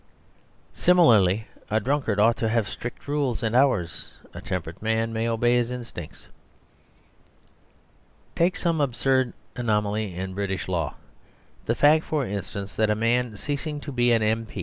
Similarly, a drunkard ought to have strict rules and hours; a temperate man may obey his instincts. Take some absurd anomaly in the British law the fact, for instance, that a man ceasing to be an M.